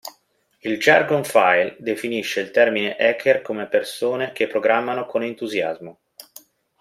Il Jargon File definisce il termine hacker come persone che programmano con entusiasmo.